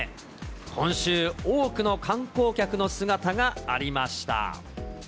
今週、多くの観光客の姿がありました。